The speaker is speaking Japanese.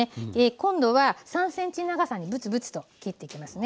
今度は３ｃｍ長さにブツブツと切っていきますね。